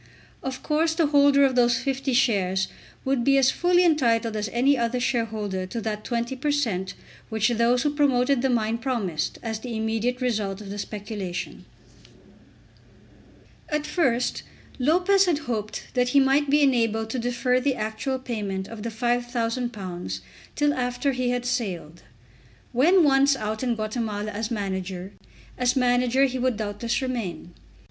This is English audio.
Of course the holder of these 50 shares would be as fully entitled as any other shareholder to that 20 per cent. which those who promoted the mine promised as the immediate result of the speculation. At first Lopez had hoped that he might be enabled to defer the actual payment of the £5000 till after he had sailed. When once out in Guatemala as manager, as manager he would doubtless remain.